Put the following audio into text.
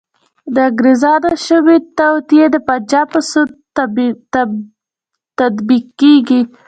د انګریزانو شومي توطیې د پنجاب په توسط تطبیق کیږي.